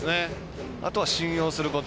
あとは信用すること。